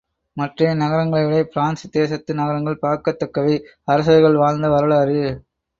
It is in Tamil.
மற்றைய நகரங்களைவிட பிரான்சு தேசத்து நகரங்கள் பார்க்கத்தக்கவை அரசர்கள் வாழ்ந்த வரலாறு.